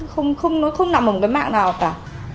không nằm ở cái mạng nào cả